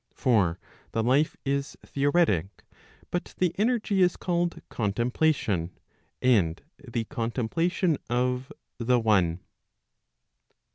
For the life is theoretic, but the energy is called contemplation, and the contem¬ plation of the one.